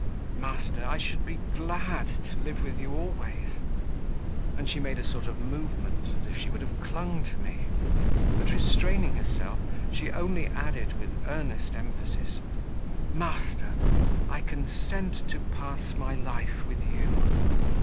Master, I should be GLAD to live with you always;" and she made a sort of movement, as if she would have clung to me, but restraining herself she only added with earnest emphasis "Master, I consent to pass my life with you."